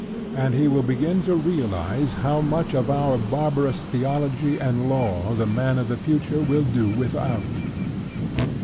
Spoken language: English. and he will begin to realize how much of our barbarous Theology and Law the man of the future will do without.